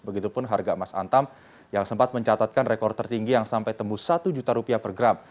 begitupun harga emas antam yang sempat mencatatkan rekor tertinggi yang sampai tembus satu juta rupiah per gram